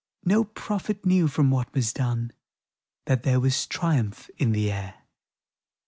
No prophet knew, from what was done. That there was triumph in the air.